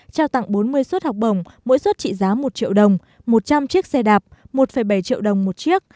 trao tặng bốn mươi suất học bổng mỗi suất trị giá một triệu đồng một trăm linh chiếc xe đạp một bảy triệu đồng một chiếc